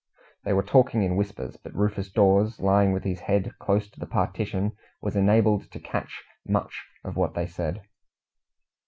They were talking in whispers, but Rufus Dawes, lying with his head close to the partition, was enabled to catch much of what they said.